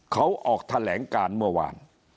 เขาออกแถลงการเมื่อวาน